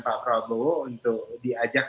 pak prabowo untuk diajak